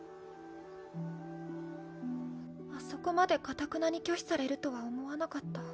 あそこまでかたくなに拒否されるとは思わなかった。